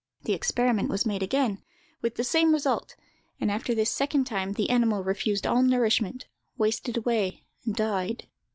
The experiment was made again, with the same result; and after this second time the animal refused all nourishment, wasted away, and died.